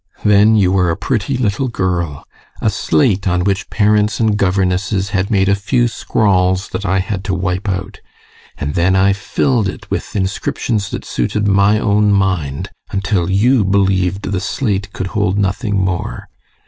Then you were a pretty little girl: a slate on which parents and governesses had made a few scrawls that I had to wipe out. And then I filled it with inscriptions that suited my own mind, until you believed the slate could hold nothing more.